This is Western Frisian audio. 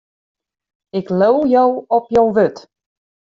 Ik leau jo op jo wurd.